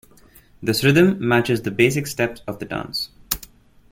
This rhythm matches the basic steps of the dance.